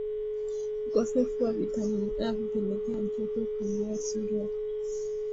ukosefu wa vitamini A hupelekea mtoto kuugua surua